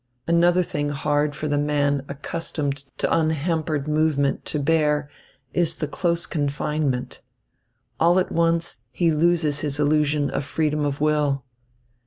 Another thing hard for the man accustomed to unhampered movement to bear is the close confinement. All at once he loses his illusion of freedom of will.